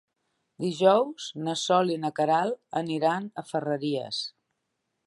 Dijous na Sol i na Queralt aniran a Ferreries.